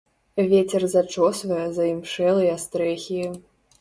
Вецер зачосвае заімшэлыя стрэхі.